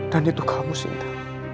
dan itu kamu sinta